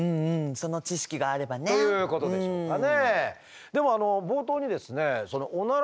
その知識があればね。ということでしょうかね。